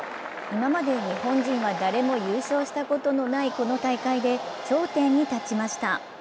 今まで日本人は誰も優勝したことのないこの大会で頂点に立ちました。